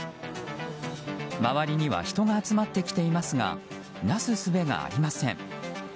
周りには人が集まってきていますがなすすべがありません。